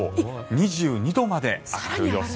２２度まで上がる予想。